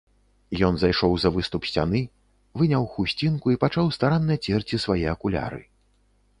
Ён зайшоў за выступ сцяны, выняў хусцінку і пачаў старанна церці свае акуляры.